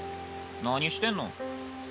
何してんの？